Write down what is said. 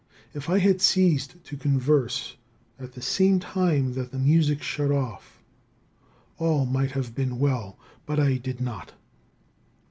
If I had ceased to converse at the same time that the music shut off, all might have been well, but I did not.